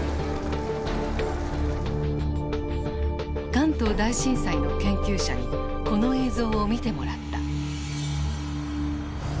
関東大震災の研究者にこの映像を見てもらった。